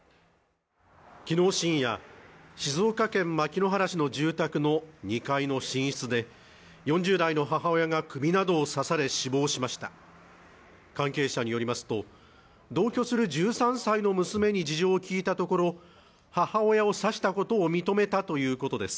昨日深夜静岡県牧之原市の住宅の２階の寝室で４０代の母親が首などを刺され死亡しました関係者によりますと同居する１３歳の娘に事情を聞いたところ母親を刺したことを認めたということです